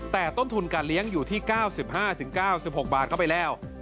แต่ต้นทุนการเลี้ยงอยู่ที่๙๕๙๖บาทเข้าไปแล้ว